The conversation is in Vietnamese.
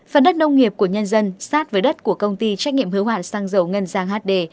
phần đất nông nghiệp của nhân dân sát với đất của công ty trách nhiệm hữu hạn xăng dầu ngân giang hd